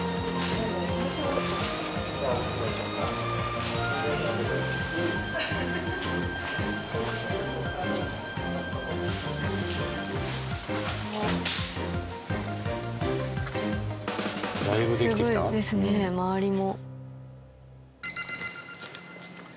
すごいですね周りも。